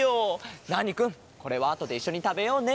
ナーニくんこれはあとでいっしょにたべようね。